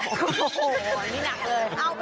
ลืมอีกแล้ว